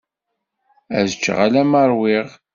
Ad ččeɣ alamma ṛwiɣ.